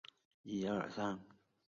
平罗线